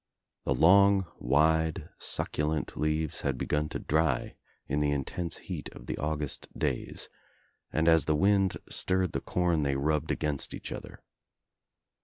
The long wide succulent leaves had begun to dry In the intense heat of the August days and as the wind stirred the corn they rubbed against each other.